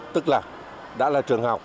tức là đã là trường học